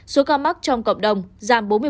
số ca mắc trong cộng đồng giảm bốn mươi